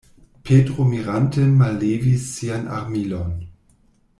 Petro mirante mallevis sian armilon.